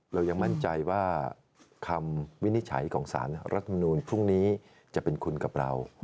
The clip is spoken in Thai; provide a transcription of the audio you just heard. เรายังมั่นใจว่าคำวินิจฉัยของสารรัฐมนูลพรุ่งนี้จะเป็นคุณกับเรา